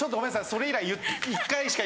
それ以来１回しか。